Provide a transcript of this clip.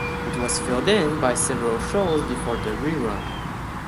It was filled in by several shows before the rerun.